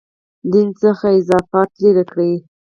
دین څخه اضافات لرې کړي.